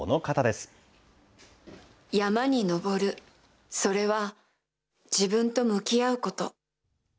山に登る、それは自分と向き合うこと。